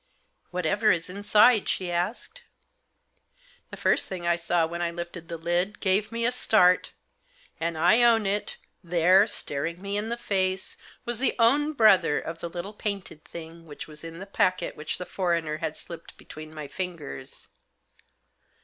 " Whatever is inside ?" she asked. The first thing I saw when I lifted the lid, gave me a start, and I own it — there, staring me in the face, was the own brother of the little painted thing which was in the packet which the foreigner had slipped between my fingers.